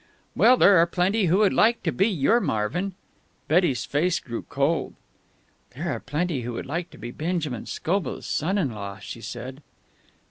"Well, there are plenty who would like to be your Marvin." Betty's face grew cold. "There are plenty who would like to be Benjamin Scobell's son in law," she said.